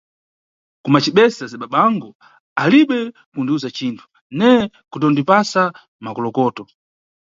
Ku macibese azibabangu alibe kundiwuza cinthu, neye kutondipasa makolokoto.